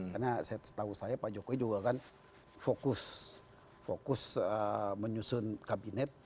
karena setahu saya pak jokowi juga kan fokus menyusun kabinet